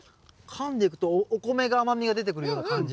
かんでくとお米が甘みが出てくるような感じ。